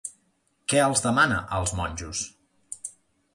Què els demana als monjos?